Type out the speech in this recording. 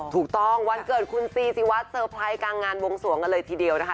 วันเกิดคุณซีซีวัดเซอร์ไพรส์กลางงานวงสวงกันเลยทีเดียวนะคะ